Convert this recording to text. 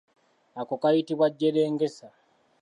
Ako kayitibwa jjerengesa.